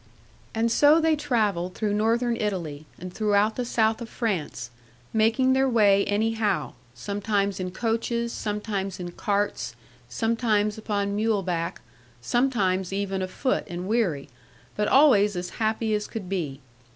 'And so they travelled through Northern Italy, and throughout the south of France, making their way anyhow; sometimes in coaches, sometimes in carts, sometimes upon mule back, sometimes even a foot and weary; but always as happy as could be.